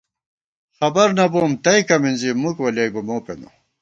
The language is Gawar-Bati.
خبر نہ بوم تئیکہ مِنزی، مُک ولیَئیبہ مو پېنہ